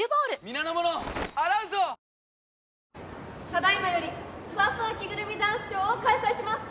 ただいまよりふわふわ着ぐるみダンスショーを開催します